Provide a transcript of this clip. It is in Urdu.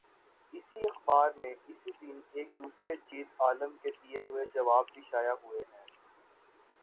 اسی اخبار میں، اسی دن، ایک دوسرے جید عالم کے دیے ہوئے جواب بھی شائع ہوئے ہیں۔